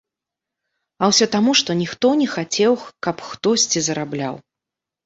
А ўсё таму, што ніхто не хацеў, каб хтосьці зарабляў.